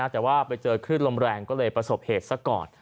แต่ว่าไปเจอคลื่นลมแรงก็เลยประสบเหตุซะก่อน